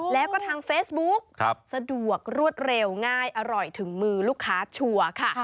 แล้วก็ทางเฟซบุ๊กสะดวกรวดเร็วง่ายอร่อยถึงมือลูกค้าชัวร์ค่ะ